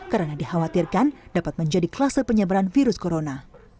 karena dikhawatirkan dapat menjadi klase penyebaran virus corona